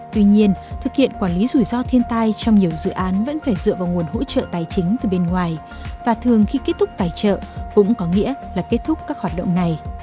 tuy nhiên thực hiện quản lý rủi ro thiên tai trong nhiều dự án vẫn phải dựa vào nguồn hỗ trợ tài chính từ bên ngoài và thường khi kết thúc tài trợ cũng có nghĩa là kết thúc các hoạt động này